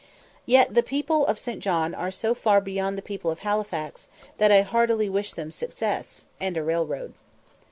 Yet the people of St. John are so far beyond the people of Halifax, that I heartily wish them success and a railroad.